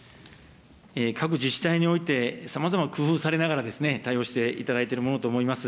各自治体において、さまざま、工夫されながら、対応していただいてるものと思います。